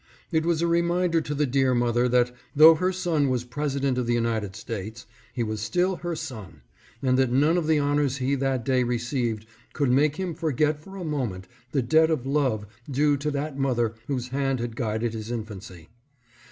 It was a reminder to the dear mother that, though her son was President of the United States, he was still her son, and that none of the honors he that day received could make him forget for a moment the debt of love due to that mother whose hand had guided his infancy.